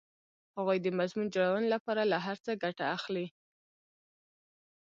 هغوی د مضمون جوړونې لپاره له هر څه ګټه اخلي